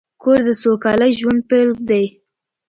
کور د سوکاله ژوند پیل دی.